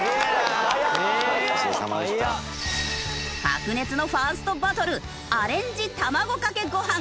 白熱のファーストバトルアレンジ卵かけご飯。